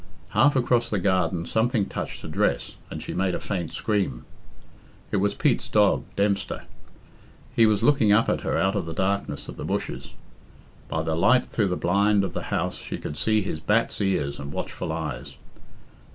Half across the garden something touched her dress, and she made a faint scream. It was Pete's dog, Dempster. He was looking up at her out of the darkness of the bushes. By the light through the blind of the house she could see his bat's ears and watchful eyes.